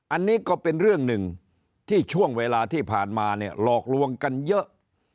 อันนี้ก็เป็นเรื่องหนึ่งที่ช่วงเวลาที่ผ่านมาเนี่ยหลอกลวงกันเยอะ